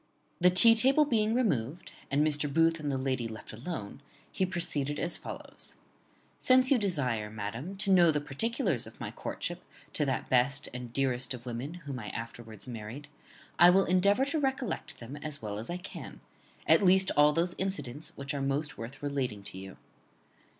_ The tea table being removed, and Mr. Booth and the lady left alone, he proceeded as follows: "Since you desire, madam, to know the particulars of my courtship to that best and dearest of women whom I afterwards married, I will endeavour to recollect them as well as I can, at least all those incidents which are most worth relating to you.